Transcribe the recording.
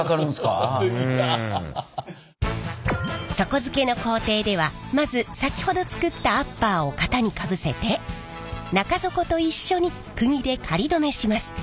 底付けの工程ではまず先ほど作ったアッパーを型にかぶせて中底と一緒にクギで仮止めします。